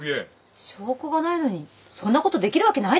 証拠がないのにそんなことできるわけないでしょ。